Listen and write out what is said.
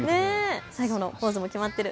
最後のポーズも決まってる！